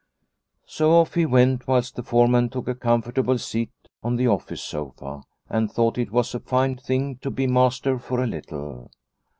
So off he went whilst the foreman took a comfortable seat on the office sofa, and thought it was a fine thing to be master for a little.